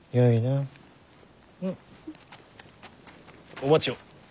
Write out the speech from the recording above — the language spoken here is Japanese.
お待ちを。